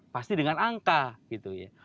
pasti dengan angka gitu ya